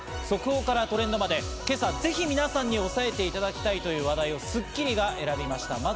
速報からトレンドまで、今朝ぜひ皆さんに押さえていただきたいという話題を『スッキリ』が選びました